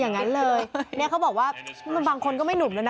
นี่เขาบอกว่าบางคนก็ไม่หนุ่มแล้วนะ